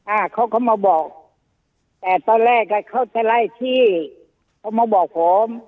อ่าเขาก็มาบอกแต่ตอนแรกอ่ะเขาจะไล่ที่เขามาบอกผม